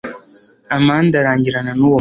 amande arangirana n'uwo munsi